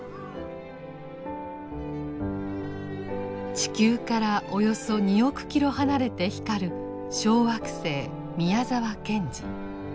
地球からおよそ２億キロ離れて光る小惑星「宮沢賢治」。